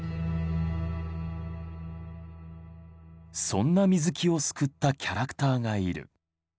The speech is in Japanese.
そんな水木を救ったキャラクターがいる。